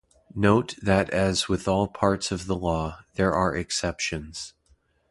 Note that as with all parts of the law, there are exceptions.